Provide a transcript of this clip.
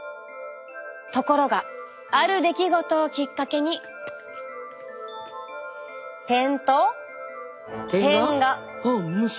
ところがある出来事をきっかけに点と点が。